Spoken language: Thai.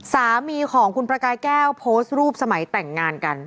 สามีของคุณประกายแก้วโพสต์รูปสมัยแต่งงานกัน